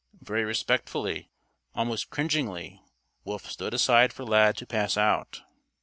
Very respectfully, almost cringingly, Wolf stood aside for Lad to pass out.